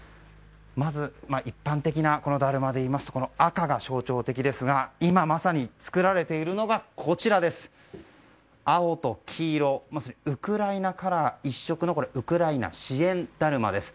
まず、一般的なだるまで言いますと赤が象徴的ですが今まさに作られているのが青と黄色ウクライナカラーで一色のウクライナ応援だるまです。